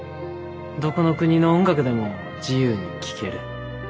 どこの国の音楽でも自由に聴ける。